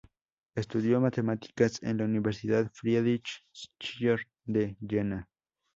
Estudió matemáticas en la Universidad Friedrich Schiller de Jena.